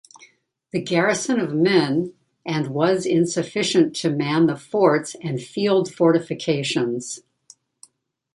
The garrison of men and was insufficient to man the forts and field fortifications.